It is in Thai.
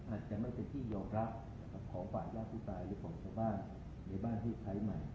อาจจะไม่ได้ยอรับขอบฝ่ายยาวสุดท้ายของเจ้าบ้านในบ้านที่ใช้ใหม่